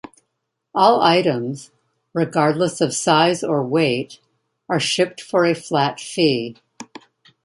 All items, regardless of size or weight, are shipped for a flat fee.